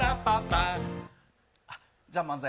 じゃあ漫才